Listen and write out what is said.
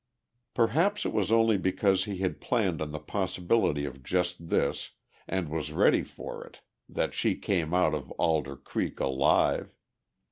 Perhaps it was only because he had planned on the possibility of just this and was ready for it that she came out of Alder Creek alive.